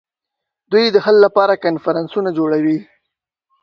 دوی د حل لپاره کنفرانسونه جوړوي